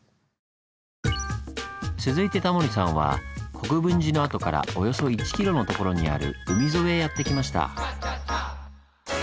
続いてタモリさんは国分寺の跡からおよそ１ｋｍの所にある海沿いへやって来ました。